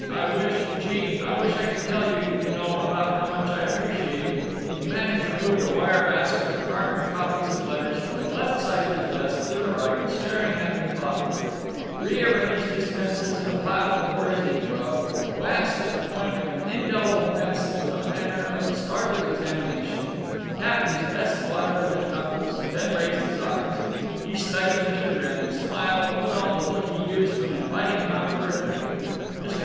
I wish—Gee! I wish I could tell you, you know—about how much I appreciate—" The manager moved a wire basket of carbon copies of letters from the left side of his desk to the right, staring at them thoughtfully; rearranged his pencils in a pile before his ink well; glanced at the point of an indelible pencil with a manner of startled examination; tapped his desk blotter with his knuckles; then raised his eyes. He studied Mr. Wrenn, smiled, put on the look he used when inviting him out for a drink. Mr.